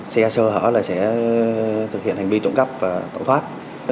xe sơ họ là sẽ thực hiện hành vi trộm cắt và tổn thoát